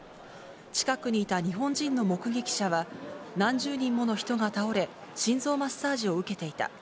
近くにいた日本人の目撃者は、何十人もの人が倒れ、心臓マッサージを受けていた。